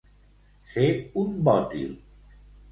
Ser un bòtil.